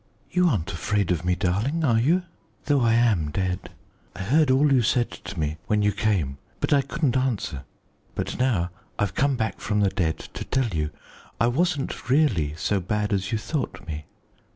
"You aren't afraid of me, darling, are you, though I am dead? I heard all you said to me when you came, but I couldn't answer. But now I've come back from the dead to tell you. I wasn't really so bad as you thought me.